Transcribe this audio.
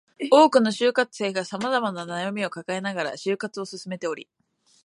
多くの就活生が様々な悩みを抱えながら就活を進めており